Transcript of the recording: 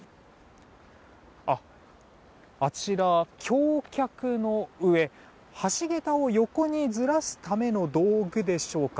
橋脚の上橋桁を横にずらすための道具でしょうか。